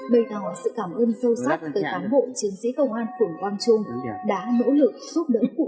bày tỏ sự cảm ơn sâu sắc tới tám bộ chiến sĩ công an quận quang trung đã nỗ lực giúp đỡ cụ